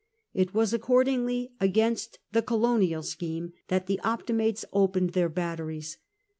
It was accordingly against the colonial scheme that the Optimates opened their batteries.